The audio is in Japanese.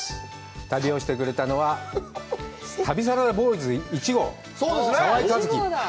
旅をしてくれたのは、旅サラダボーイズ１号、澤井一希！